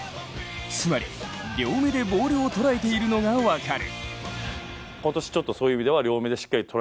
つまり両目でボールを捉えているのが分かる。